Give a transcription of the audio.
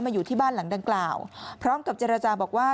อยู่ที่บ้านหลังดังกล่าวพร้อมกับเจรจาบอกว่า